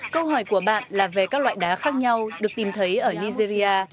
câu hỏi của bạn là về các loại đá khác nhau được tìm thấy ở nigeria